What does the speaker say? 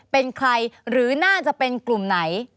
เป็นใครหรือน่าจะเป็นกลุ่มไหน